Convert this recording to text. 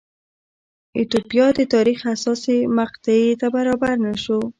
ایتوپیا د تاریخ حساسې مقطعې ته برابر نه شو.